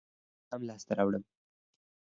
حرص به ورکوي چې شیان هم لاسته راوړم.